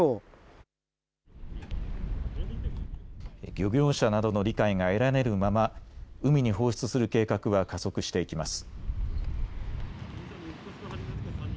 漁業者などの理解が得られぬまま海に放出する計画は加速していきます。